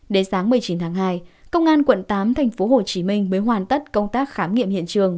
đến sáng một mươi chín tháng hai công an quận tám tp hcm mới hoàn tất công tác khám nghiệm hiện trường